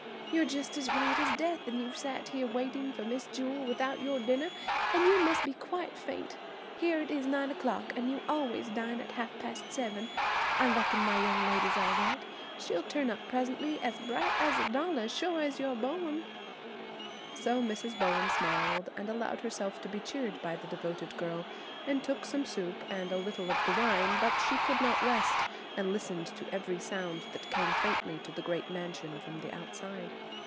"You're just as white as death, and you've sat here waiting for Miss Jewel, without your dinner and you must be quite faint. Here it's nine o'clock, and you always dine at half past seven. I reckon my young lady's all right. She'll turn up presently as bright as a dollar, sure's you're born." So Mrs. Bowen smiled and allowed herself to be cheered by the devoted girl, and took some soup and a little of the wine; but she could not rest, and listened to every sound that came faintly to the great mansion from the outside.